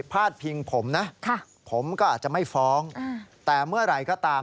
พาดพิงผมนะผมก็อาจจะไม่ฟ้องแต่เมื่อไหร่ก็ตาม